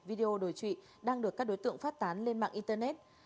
video đổi trụy đang được các đối tượng phát tán lên mạng internet